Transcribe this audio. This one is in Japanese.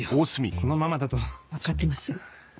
このままだと。分かってます。